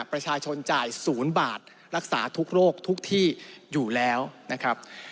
ประชาชนจ่าย๐บาทรักษาทุกโรคทุกที่อยู่แล้วนะครับ